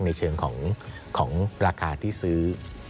ในเชิงของราคาที่ซื้อ